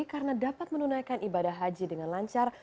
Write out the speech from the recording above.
karena dapat menunaikan ibadah haji dengan lancar